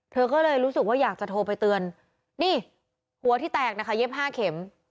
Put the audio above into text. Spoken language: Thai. เธอก็เลยรู้สึกว่าอยากจะโทรไปเตือนนี่หัวที่แตกนะคะเย็บ๕เข็ม